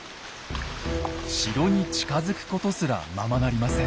城に近づくことすらままなりません。